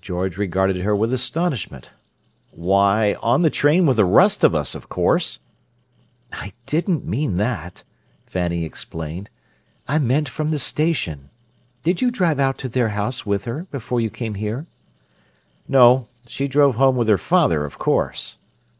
George regarded her with astonishment. "Why, on the train with the rest of us, of course." "I didn't mean that," Fanny explained. "I meant from the station. Did you drive out to their house with her before you came here?" "No. She drove home with her father, of course."